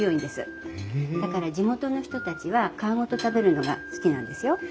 だから地元の人たちは皮ごと食べるのが好きなんですよ。